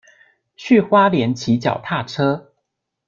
去花蓮騎腳踏車